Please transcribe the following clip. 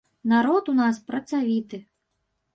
Народ у нас працавіты.